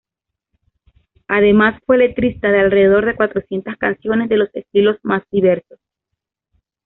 Además, fue letrista de alrededor de cuatrocientas canciones de los estilos más diversos.